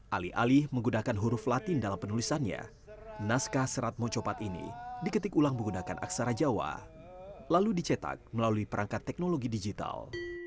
alih alih menggunakan huruf latin dalam penulisannya naskah serat mocopat ini diketik ulang menggunakan aksara jawa lalu dicetak melalui perangkat teknologi digital